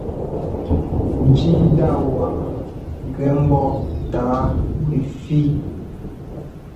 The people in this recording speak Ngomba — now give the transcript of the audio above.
Njʉndá wá ŋgɛ́ mbɔ́ tǎa wɛfí.